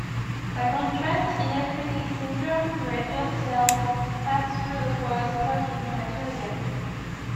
By contrast, in nephritic syndrome red blood cells pass through the pores, causing haematuria.